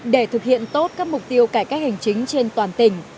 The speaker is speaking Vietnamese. để thực hiện tốt các mục tiêu cải cách hành chính trên toàn tỉnh